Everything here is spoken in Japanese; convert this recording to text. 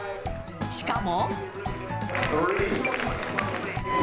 しかも。